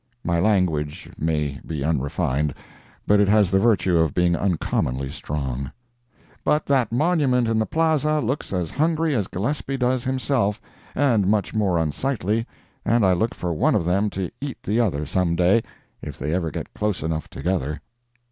[My language may be unrefined, but it has the virtue of being uncommonly strong.] But that monument in the plaza looks as hungry as Gillespie does himself, and much more unsightly, and I look for one of them to eat the other some day, if they ever get close enough together.